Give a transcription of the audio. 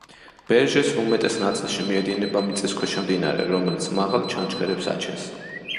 ბერჟეს უმეტეს ნაწილში მიედინება მიწისქვეშა მდინარე, რომელიც მაღალ ჩანჩქერებს აჩენს.